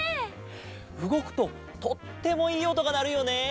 うごくととってもいいおとがなるよね。